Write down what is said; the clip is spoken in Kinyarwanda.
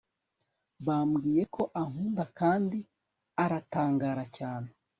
bambwiye ko ankunda kandi aratangara cyane